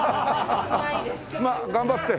まっ頑張って。